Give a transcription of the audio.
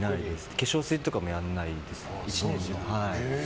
化粧水とかもやらないです。